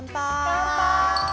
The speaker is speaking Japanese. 乾杯！